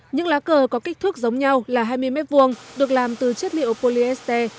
những lá cờ có kích thước giống nhau là hai mươi m hai được làm từ chất liệu polyester